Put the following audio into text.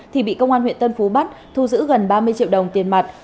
thì bị công an huyện tân phú bắt thu giữ gần ba mươi triệu đồng tiền mặt